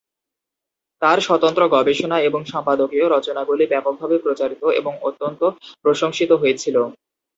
তাঁর স্বতন্ত্র গবেষণা এবং সম্পাদকীয় রচনাগুলি ব্যাপকভাবে প্রচারিত এবং অত্যন্ত প্রশংসিত হয়েছিল।